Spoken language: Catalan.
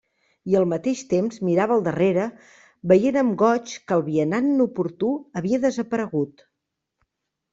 I al mateix temps mirava al darrere, veient amb goig que el vianant inoportú havia desaparegut.